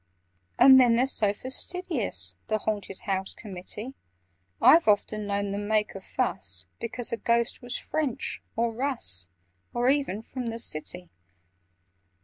"And then they're so fastidious, The Haunted House Committee: I've often known them make a fuss Because a Ghost was French, or Russ, Or even from the City!